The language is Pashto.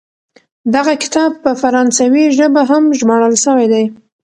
دغه کتاب په فرانسوي ژبه هم ژباړل سوی دی.